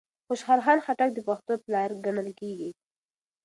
خوشحال خان خټک د پښتو پلار ګڼل کېږي